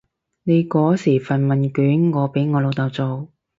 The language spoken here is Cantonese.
你嗰時份問卷我俾我老豆做